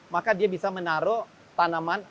maka dia bisa menaruh tanaman